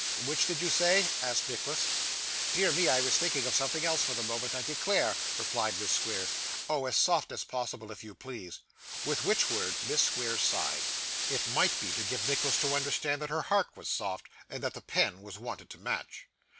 'Which did you say?' asked Nicholas. 'Dear me, I was thinking of something else for the moment, I declare,' replied Miss Squeers. 'Oh! as soft as possible, if you please.' With which words, Miss Squeers sighed. It might be, to give Nicholas to understand that her heart was soft, and that the pen was wanted to match.